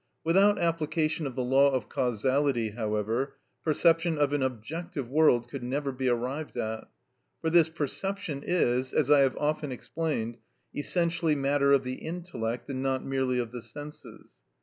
Without application of the law of causality, however, perception of an objective world could never be arrived at; for this perception is, as I have often explained, essentially matter of the intellect, and not merely of the senses.